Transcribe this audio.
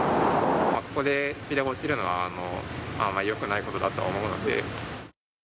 これでスピードが落ちるのは、あまりよくないことだとは思うので。